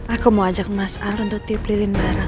aku mau ajak mas al untuk tiuplilin barang